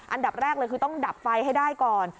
อันดับแรกเลยคือต้องดับไฟให้ได้ก่อน